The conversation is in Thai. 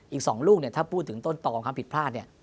อีก๒ลูกถ้าพูดถึงต้นตอบความผิดพลาด